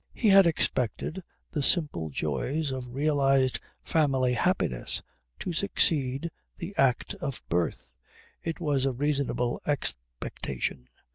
He had expected the simple joys of realised family happiness to succeed the act of birth. It was a reasonable expectation.